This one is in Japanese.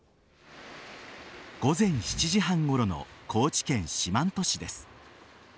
午前７時半ごろの高知県四万十市です。